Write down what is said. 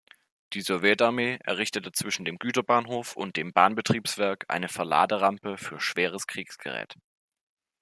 Die Sowjetarmee errichtete zwischen dem Güterbahnhof und dem Bahnbetriebswerk eine Verladerampe für schweres Kriegsgerät.